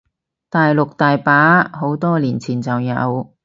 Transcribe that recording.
大陸大把，好多年前就有